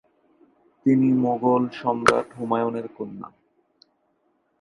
তিনি মোগল সম্রাট হুমায়ুনের কন্যা।